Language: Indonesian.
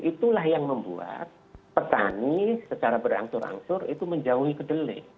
itulah yang membuat petani secara berangsur angsur itu menjauhi kedelai